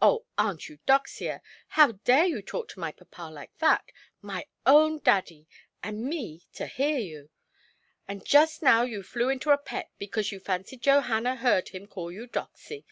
"Oh, Aunt Eudoxia, how dare you talk to my papa like that, my own daddy, and me to hear you? And just now you flew into a pet because you fancied Johanna heard him call you 'Doxy'.